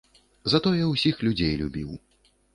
Затое і ўсіх людзей любіў.